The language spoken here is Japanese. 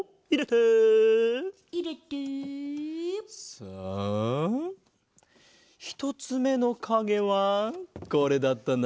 さあひとつめのかげはこれだったな。